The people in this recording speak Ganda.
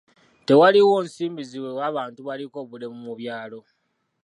Tewaliiwo nsimbi ziweebwa bantu baliko obulemu mu byalo.